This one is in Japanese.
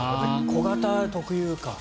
小型、特有か。